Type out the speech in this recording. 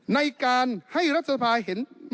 ในการให้รัฐสภาเห็น